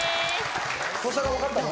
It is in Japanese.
土佐が分かったの？